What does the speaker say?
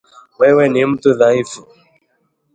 Wewe ni mtu dhaifu